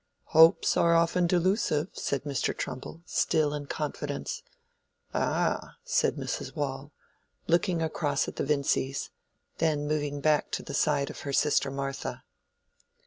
"Hopes are often delusive," said Mr. Trumbull, still in confidence. "Ah!" said Mrs. Waule, looking across at the Vincys, and then moving back to the side of her sister Martha.